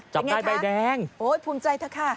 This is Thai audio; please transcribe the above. จับได้ใบแดงโอ้ยภูมิใจเถอะค่ะ